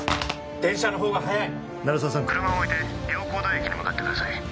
電車の方が早い鳴沢さん車を置いて洋光台駅に向かってください